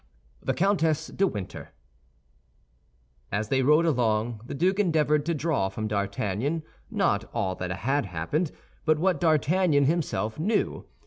THE COUNTESS DE WINTER As they rode along, the duke endeavored to draw from D'Artagnan, not all that had happened, but what D'Artagnan himself knew.